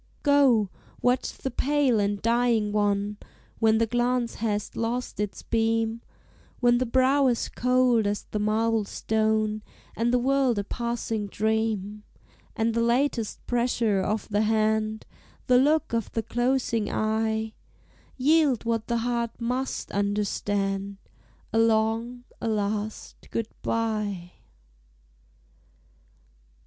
Go, watch the pale and dying one, When the glance hast lost its beam; When the brow is cold as the marble stone, And the world a passing dream; And the latest pressure of the hand, The look of the closing eye, Yield what the heart must understand, A long, a last Good bye.